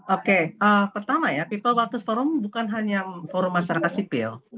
oke pertama ya people waters forum bukan hanya forum masyarakat sipil